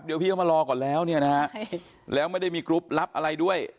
เดี๋ยวพี่เขามารอก่อนแล้วแล้วไม่ได้มีกรุปรับอะไรด้วย